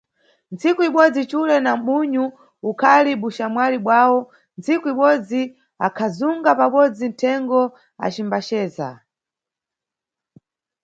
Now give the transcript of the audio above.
Ntsiku ibodzi, xule na bunyu ukhali buxamwali bwawo, ntsiku ibodzi akhazunga pabodzi nthengo acimbaceza.